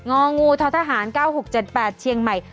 องูท้อทหาร๙๖๗๘เชียงใหม่